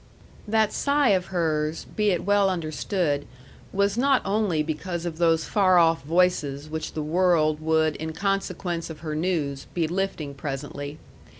That sigh of hers, be it well understood, was not only because of those far off voices which the world would in consequence of her news be lifting presently.